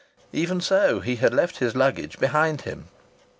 Even so, he had left his luggage behind him.